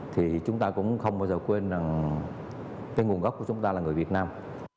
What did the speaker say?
thì chúng ta cũng không bao giờ quên rằng cái nguồn gốc của chúng ta là người việt nam